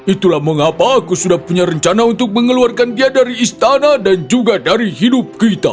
itulah mengapa aku sudah punya rencana untuk mengeluarkan dia dari istana dan juga dari hidup kita